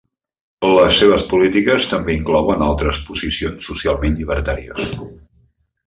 Les seves polítiques també inclouen altres posicions socialment llibertàries.